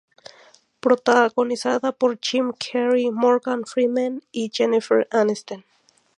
Protagonizada por Jim Carrey, Morgan Freeman y Jennifer Aniston.